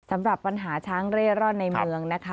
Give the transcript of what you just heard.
สำหรับปัญหาช้างเร่ร่อนในเมืองนะคะ